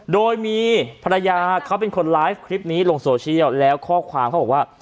โดยมีภรรยาเขาเป็นคนไลฟ์คลิปนี้ลงโซเชียลแล้วข้อความเขาบอกว่า